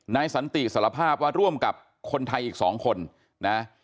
สันติสารภาพว่าร่วมกับคนไทยอีก๒คนนะ